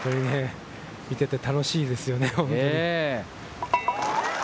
見ていて楽しいですよね、本当に。